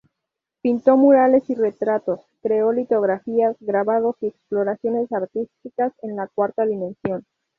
Pintó murales y retratos, creó litografías, grabados y exploraciones artísticas en la cuarta dimensión.